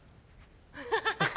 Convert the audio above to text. ハハハハ。